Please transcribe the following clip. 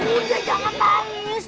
muda jangan nangis